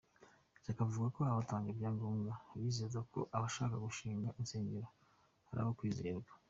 Shyaka avuga ko abatangaga ibyangombwa bizeraga ko abashaka gushinga insengero ari abantu bo kwizerwa.